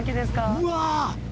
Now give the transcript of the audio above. うわ！